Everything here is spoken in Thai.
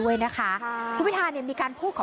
อย่ารอช้าไปฟังค่ะ